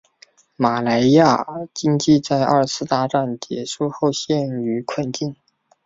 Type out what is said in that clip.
马来亚经济在二次大战结束后陷于困境。